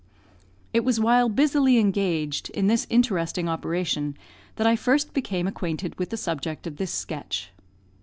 It was while busily engaged in this interesting operation that I first became acquainted with the subject of this sketch.